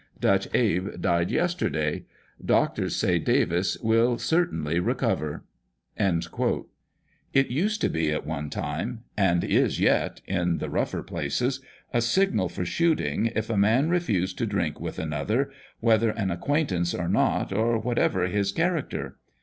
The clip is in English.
; Dutch Abe died yes terday. Doctors say Davis will certainly re cover." It used to be at one time (and is yet in the rougher places), a signal for shooting, if a man refuse to drink with another, whether an acquaintance or not, or whatever his cha racter.